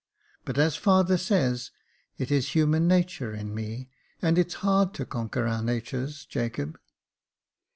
But, as father says, it is human nature in me, and it's hard to conquer our natures, Jacob."